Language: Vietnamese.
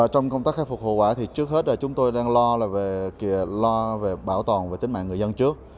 trong công tác khai phục hồ quả thì trước hết chúng tôi đang lo về bảo tồn về tính mạng người dân trước